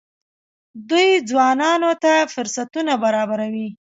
دوی ځوانانو ته فرصتونه برابروي.